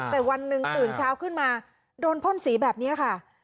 แต่วันหนึ่งตื่นเช้าขึ้นมาโดนพ่นสีแบบนี้ค่ะ